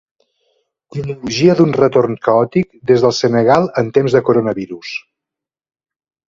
Cronologia d'un retorn caòtic des del Senegal en temps de Coronavirus.